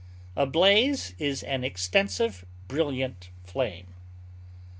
A blaze is an extensive, brilliant flame.